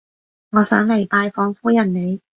我想嚟拜訪夫人你